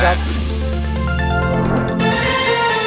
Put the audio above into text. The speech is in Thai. เวลียะ